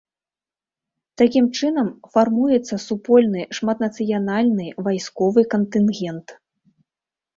Такім чынам фармуецца супольны шматнацыянальны вайсковы кантынгент.